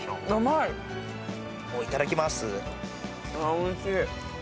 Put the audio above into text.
おいしい。